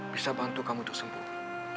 bisa bantu kamu untuk sembuh